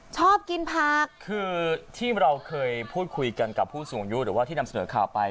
ชอบกินผักคือที่เราเคยพูดคุยกันกับผู้สูงอายุหรือว่าที่นำเสนอข่าวไป